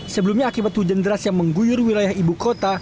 sebelumnya akibat hujan deras yang mengguyur wilayah ibu kota